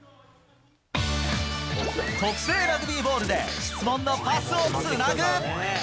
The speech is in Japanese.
特製ラグビーボールで質問のパスをつなぐ。